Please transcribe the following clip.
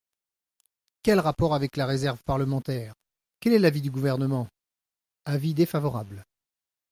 Quel rapport avec la réserve parlementaire ? Quel est l’avis du Gouvernement ? Avis défavorable.